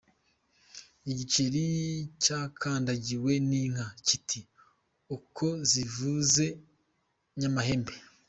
Igikeri cyakandagiwe n’inka kiti: uko zivuze nyamahembe.